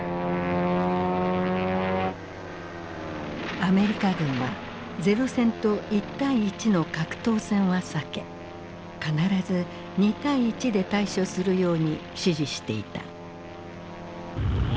アメリカ軍は零戦と１対１の格闘戦は避け必ず２対１で対処するように指示していた。